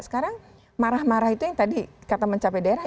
sekarang marah marah itu yang tadi kata mencapai daerah